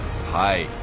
はい。